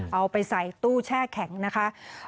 เอาไปใส่ตู้แช่แข็งนะคะ